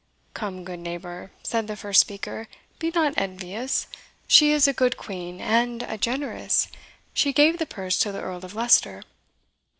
"Come, good neighbour," said the first speaker "be not envious. She is a good Queen, and a generous; she gave the purse to the Earl of Leicester."